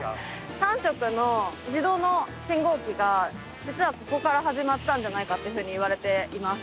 ３色の自動の信号機が実はここから始まったんじゃないかというふうに言われています。